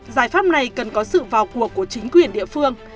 giải pháp này cần có sự vào cuộc của chính quyền địa phương